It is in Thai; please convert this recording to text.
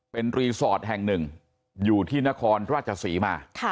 เป็นโรงพยาบาลแห่งหนึ่งอยู่ที่นครราชสีมาค่ะ